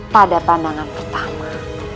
pada pandangan pertama